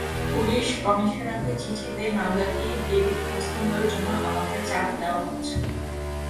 Police কমিশনারকে চিঠি দিয়ে মামলাটি ডিবিতে হস্তান্তরের জন্য আমাকে চাপ দেওয়া হচ্ছে।